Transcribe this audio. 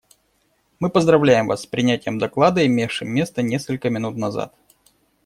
Мы поздравляем Вас с принятием доклада, имевшим место несколько минут назад.